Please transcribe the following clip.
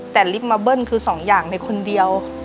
แต่ลิฟต์มาเบิ้ลคือสองอย่างในคนเดียว